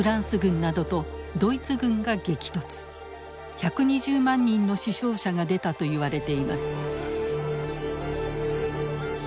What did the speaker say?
１２０万人の死傷者が出たといわれています。